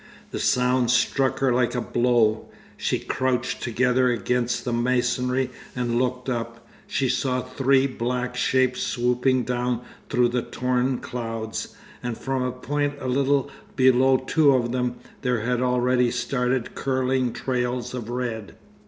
The sound struck her like a blow. She crouched together against the masonry and looked up. She saw three black shapes swooping down through the torn clouds, and from a point a little below two of them, there had already started curling trails of red....